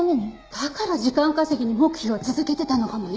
だから時間稼ぎに黙秘を続けてたのかもね。